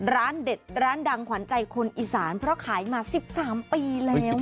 ร้านเด็ดร้านดังขวัญใจคนอีสานเพราะขายมา๑๓ปีแล้ว